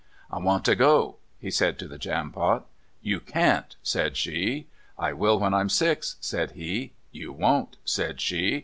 "I want to go," he said to the Jampot. "You can't," said she. "I will when I'm six," said he. "You won't," said she.